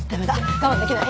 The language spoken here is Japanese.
我慢できない。